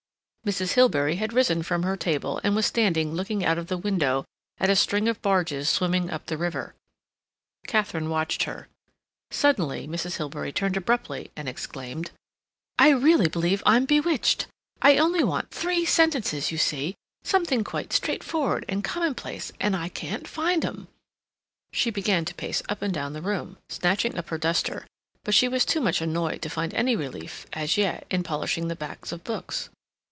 Mrs. Hilbery had risen from her table, and was standing looking out of the window at a string of barges swimming up the river. Katharine watched her. Suddenly Mrs. Hilbery turned abruptly, and exclaimed: "I really believe I'm bewitched! I only want three sentences, you see, something quite straightforward and commonplace, and I can't find 'em." She began to pace up and down the room, snatching up her duster; but she was too much annoyed to find any relief, as yet, in polishing the backs of books.